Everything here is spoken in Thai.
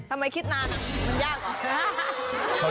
ทำไมคิดนานมันยากเหรอ